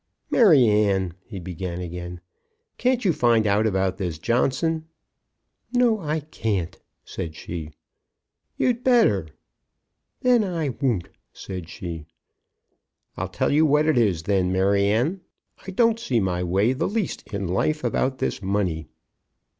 "Maryanne," he began again, "can't you find out about this Johnson?" "No; I can't," said she. "You'd better." "Then I won't," said she. "I'll tell you what it is, then, Maryanne. I don't see my way the least in life about this money."